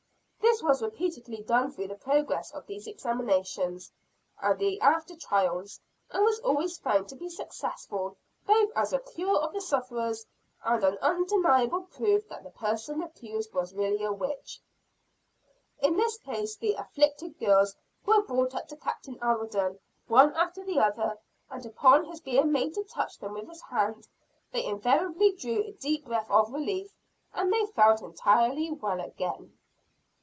This was repeatedly done through the progress of these examinations and the after trials; and was always found to be successful, both as a cure of the sufferers, and an undeniable proof that the person accused was really a witch. In this case the "afflicted" girls were brought up to Captain Alden, one after the other and upon his being made to touch them with his hand, they invariably drew a deep breath of relief, and said they felt entirely well again.